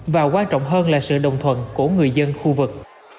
và quan trọng hơn là sự đồng thuận của người dân khu vực